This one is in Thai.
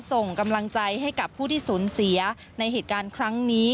ส่งกำลังใจให้กับผู้ที่สูญเสียในเหตุการณ์ครั้งนี้